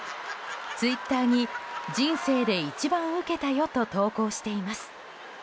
ツイッターに「人生で一番うけたよ！」と投稿しています。